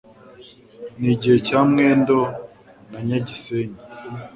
N' igihe cya Mwendo na Nyagisenyi